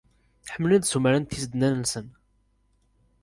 Ḥemmlen ad ssumaren tisednan-nsen.